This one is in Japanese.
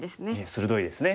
鋭いですね。